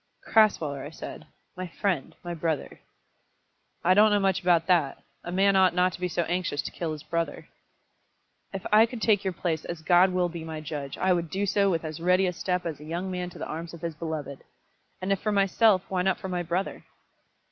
"Crasweller," I said, "my friend, my brother!" "I don't know much about that. A man ought not to be so anxious to kill his brother." "If I could take your place, as God will be my judge, I would do so with as ready a step as a young man to the arms of his beloved. And if for myself, why not for my brother?"